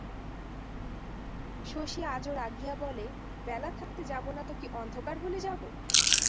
শশী আজও রাগিয়া বলে, বেলা থাকতে যাব না তো কি অন্ধকার হলে যাব?